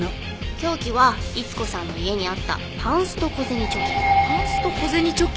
凶器は逸子さんの家にあったパンスト小銭貯金。